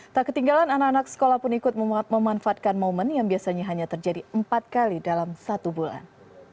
tak ketinggalan anak anak sekolah pun ikut memanfaatkan momen yang biasanya hanya terjadi empat kali dalam satu bulan